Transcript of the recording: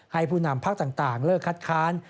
ให้ผู้นำภักดิ์ต่างเลิกคัดค้าน